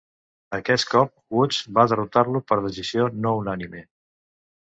Aquest cop, Woods va derrotar-lo per decisió no unànime.